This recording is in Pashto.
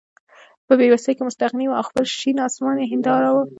په بې وسۍ کې مستغني وو او خپل شین اسمان یې هېنداره وه.